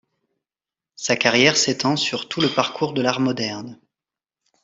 Sa carrière s'étend sur tout le parcours de l'art moderne.